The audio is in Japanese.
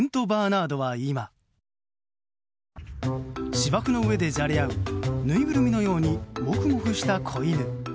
芝生の上でじゃれ合うぬいぐるみのようにもふもふした子犬。